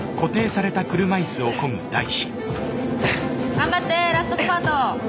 頑張ってラストスパート。